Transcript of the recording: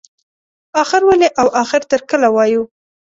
اخر ولې او اخر تر کله وایو.